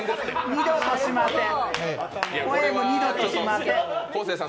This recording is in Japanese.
二度とやりません。